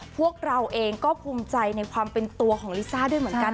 พวกเราเองก็ภูมิใจในความเป็นตัวของลิซ่าด้วยเหมือนกัน